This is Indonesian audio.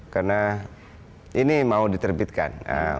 karena ini mau diterbitkan